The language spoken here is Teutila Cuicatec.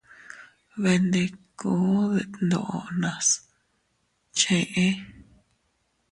Beendikuu ddeetdoo nas chee.